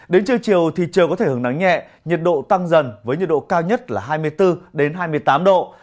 đến chiều chiều thì trời có thể hưởng nắng nhẹ nhiệt độ tăng dần với nhiệt độ cao nhất là hai mươi bốn đến hai mươi tám độ